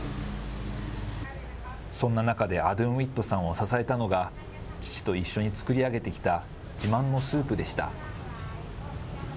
そんな中でアドゥンウィットさんを支えたのが、父と一緒に作り上げてきた自慢のスープでした。